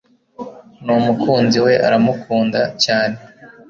numukunzi we aramukunda cyane